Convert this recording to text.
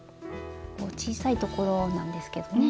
小さいところなんですけどね。